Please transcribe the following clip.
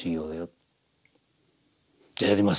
「じゃあやります